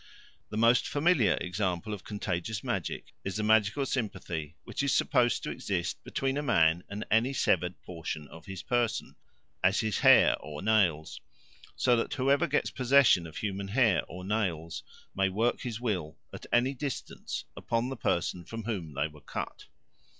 The most familiar example of Contagious Magic is the magical sympathy which is supposed to exist between a man and any severed portion of his person, as his hair or nails; so that whoever gets possession of human hair or nails may work his will, at any distance, upon the person from whom they were cut.